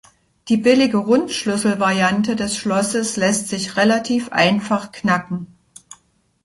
Die billige Rundschlüssel-Variante des Schlosses lässt sich relativ einfach „knacken“.